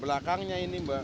belakangnya ini mbak